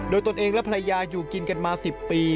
โดยตนเองและภรรยาอยู่กินกันมา๑๐ปี